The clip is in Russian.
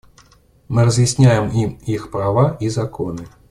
Мы разъясняем им их права и законы.